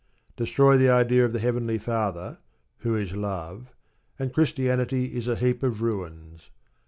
Destroy the idea of the Heavenly Father, who is Love, and Christianity is a heap of ruins.